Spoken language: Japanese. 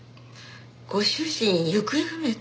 ご主人行方不明とか？